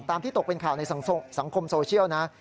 ที่ตกเป็นข่าวในสังคมโซเชียลนะ